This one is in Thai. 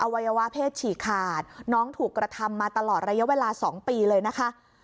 วัยวะเพศฉี่ขาดน้องถูกกระทำมาตลอดระยะเวลา๒ปีเลยนะคะ